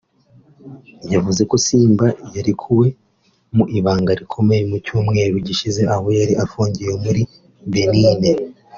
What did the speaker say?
yavuze ko Simba yarekuwe mu ibanga rikomeye mu cyumweru gishize aho yari afungiwe muri Bénin